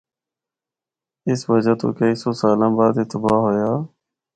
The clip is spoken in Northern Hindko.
اسی وجہ تو کئی سو سالاں بعد اے تباہ ہویا۔